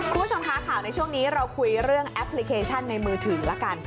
คุณผู้ชมคะข่าวในช่วงนี้เราคุยเรื่องแอปพลิเคชันในมือถือละกัน